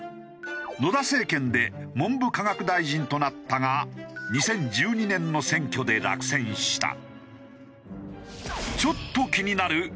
野田政権で文部科学大臣となったが２０１２年の選挙で落選した。